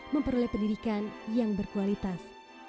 memperoleh pendidikan yang berkualitas